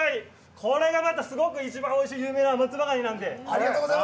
これがまたすごく一番おいしい松葉ガニなので。